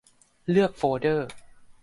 เลือกโฟลเดอร์